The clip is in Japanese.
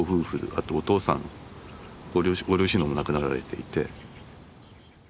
あとお父さんご両親も亡くなられていて。